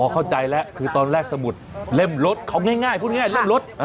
เข้าใจแล้วคือตอนแรกสมุดเล่มรถเขาง่ายพูดง่ายเล่มรถ